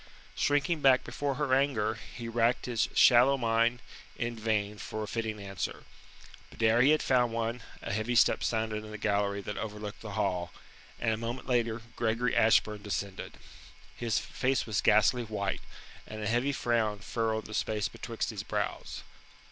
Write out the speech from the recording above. Shrinking back before her anger, he racked his shallow mind in vain for a fitting answer. But ere he had found one, a heavy step sounded in the gallery that overlooked the hall, and a moment later Gregory Ashburn descended. His face was ghastly white, and a heavy frown furrowed the space betwixt his brows.